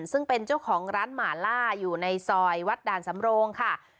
ซึ่งเป็นเจ้าของร้านหมาล่าอยู่ในซอยวัดด่านสำโรงค่ะ